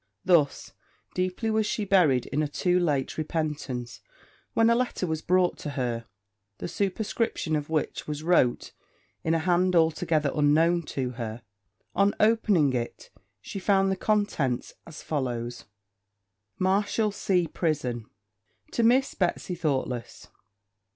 Thus deeply was she buried in a too late repentance, when a letter was brought to her, the superscription of which was wrote in a hand altogether unknown to her. On opening it, she found the contents as follows. 'Marshalsea Prison. To Miss Betsy Thoughtless.